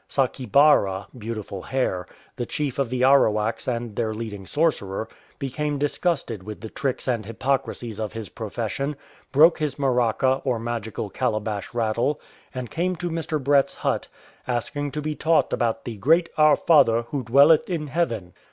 Saccibarra(" Beautiful Hair"), the chief of the Arawaks and their leading sorcerer, became disgusted with the tricks and hypocrisies of his profession, broke his marak'ka or magical calabash rattle, and came to Mr. Brett's hut, asking to be taught about "the Great Our Father, Who dwelleth in heaven."